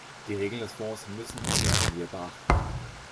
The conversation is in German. Die Regeln des Fonds müssen und werden wir beachten.